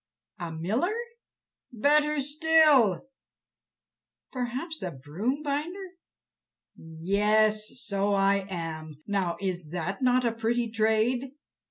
"A miller?" "Better still!" "Perhaps a broom binder?" "Yes, so I am; now, is not that a pretty trade?"